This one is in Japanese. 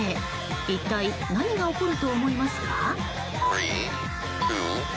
一体何が起こると思いますか？